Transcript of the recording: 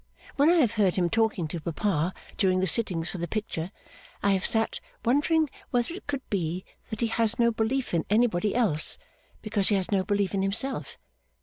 When I have heard him talking to Papa during the sittings for the picture, I have sat wondering whether it could be that he has no belief in anybody else, because he has no belief in himself.